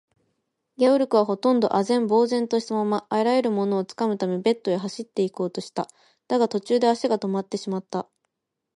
ゲオルクは、ほとんど呆然ぼうぜんとしたまま、あらゆるものをつかむためベッドへ走っていこうとした。だが、途中で足がとまってしまった。